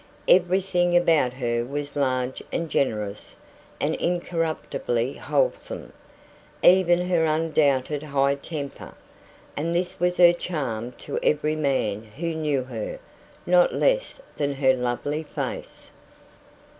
Everything about her was large and generous and incorruptibly wholesome, even her undoubted high temper. And this was her charm to every man who knew her not less than her lovely face.